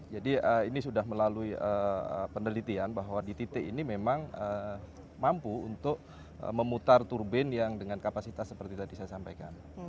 jadi ini sudah melalui penelitian bahwa di titik ini memang mampu untuk memutar turbin yang dengan kapasitas seperti tadi saya sampaikan